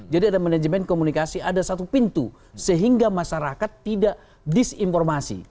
jadi ada manajemen komunikasi ada satu pintu sehingga masyarakat tidak disinformasi